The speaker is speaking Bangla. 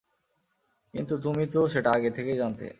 কিন্তু তুমি তো সেটা আগে থেকেই জানতে।